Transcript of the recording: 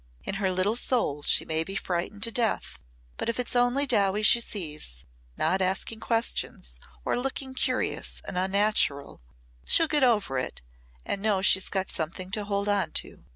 In her little soul she may be frightened to death but if it's only Dowie she sees not asking questions or looking curious and unnatural, she'll get over it and know she's got something to hold on to.